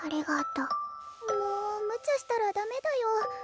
もうむちゃしたらダメだよ